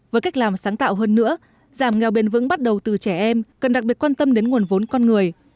với cách làm sáng tạo hơn nữa giảm nghèo bền vững bắt đầu từ trẻ em cần đặc biệt quan tâm đến nguồn vốn con người